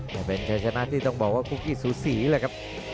แต่เป็นชัยชนะที่ต้องบอกว่าคุกกี้สูสีเลยครับ